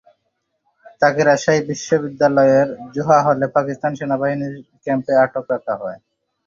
তাঁকে রাজশাহী বিশ্ববিদ্যালয়ের জোহা হলে পাকিস্তান সেনাবাহিনীর ক্যাম্পে আটক রাখা হয়।